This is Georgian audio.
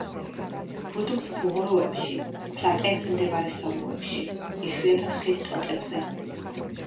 ბუდობს ფუღუროებში, ფლატეებზე მდებარე სოროებში, იშვიათად ხის ტოტებზე.